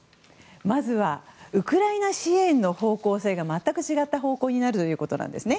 まずはウクライナ支援の方向性が全く違った方向になるということなんですね。